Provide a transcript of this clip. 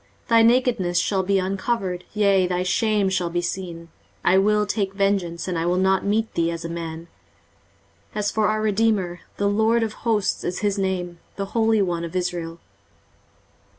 23:047:003 Thy nakedness shall be uncovered, yea, thy shame shall be seen: I will take vengeance, and I will not meet thee as a man. 23:047:004 As for our redeemer, the LORD of hosts is his name, the Holy One of Israel.